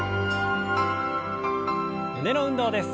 胸の運動です。